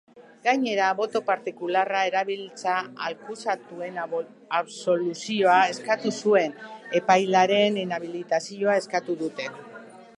Gainera, boto partikularra erabilita akusatuen absoluzioa eskatu zuen epailearen inhabilitazioa eskatu dute.